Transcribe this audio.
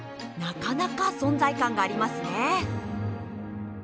なかなか存在感がありますね。